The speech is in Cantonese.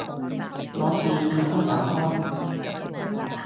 我示意他打開